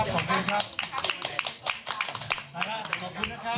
ขอบคุณนะครับ